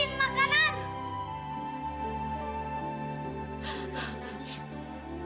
ini yang harus diberikan pak